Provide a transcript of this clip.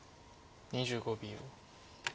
２５秒。